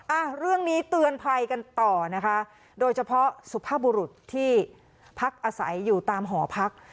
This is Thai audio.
อ่ะเรื่องนี้เตือนภัยกันต่อนะคะโดยเฉพาะสุภาพบุรุษที่พักอาศัยอยู่ตามหอพัก